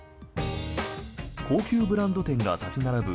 高級ブランド店が立ち並ぶ